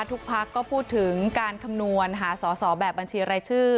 ทุกพักฯก็พูดถึงการคำนวณหาสอแบบบัญชีไรชื่อ